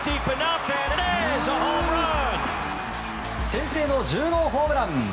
先制の１０号ホームラン！